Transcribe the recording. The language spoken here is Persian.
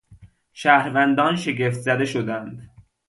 شهروندان شگفت زده شدند.